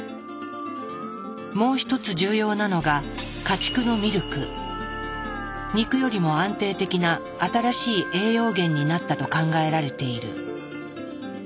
もう一つ重要なのが肉よりも安定的な新しい栄養源になったと考えられている。